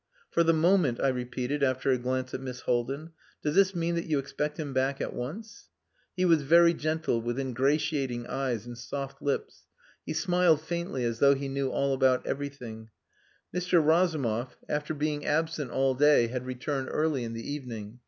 "For the moment," I repeated, after a glance at Miss Haldin. "Does this mean that you expect him back at once?" He was very gentle, with ingratiating eyes and soft lips. He smiled faintly as though he knew all about everything. Mr. Razumov, after being absent all day, had returned early in the evening.